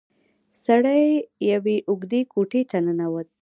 سړی يوې اوږدې کوټې ته ننوت.